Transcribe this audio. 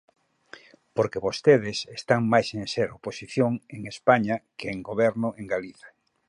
Porque vostedes están máis en ser oposición en España que en Goberno en Galicia.